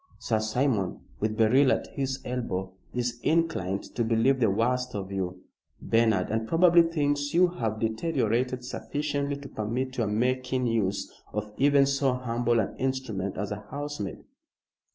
Sir Simon, with Beryl at his elbow, is inclined to believe the worst of you, Bernard, and probably thinks you have deteriorated sufficiently to permit your making use of even so humble an instrument as a housemaid."